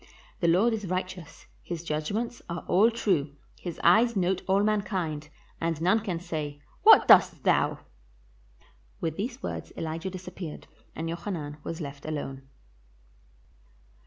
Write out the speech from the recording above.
The Lord is righteous, his judgments are all true; his eyes note all mankind, and none can say, * What dost thou? '" With these words Elijah disappeared, and Jochanan was left alone.